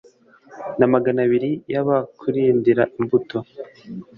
n'amagana abiri y'abakurindira imbuto